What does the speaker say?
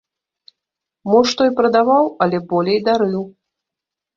Мо што і прадаваў, але болей дарыў.